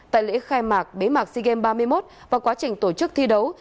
tại lễ khai mạc bế mạc sea games ba mươi một và quá trình tổ chức thi đấu